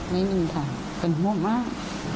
ไม่มีถามเป็นหวมมาก